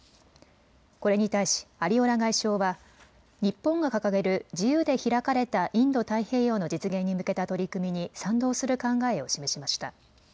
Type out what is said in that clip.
これに対しアリオラ外相は日本が掲げる自由で開かれたインド太平洋の実現に向けた取り組みに賛同する考えを示しました。